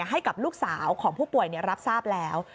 ให้กับลูกสาวของผู้ป่วยรับทราบแล้ว